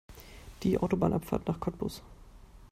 Die Autobahnabfahrt nach Cottbus